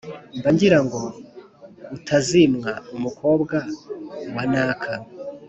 Mba ngira ngo utazimwa Umukobwa wa Naka,